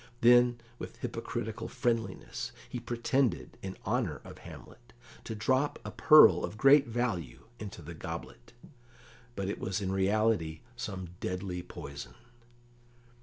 Then, with hypocritical friendliness, he pretended, in honour of Hamlet, to drop a pearl of great value into the goblet, but it was in reality some deadly poison.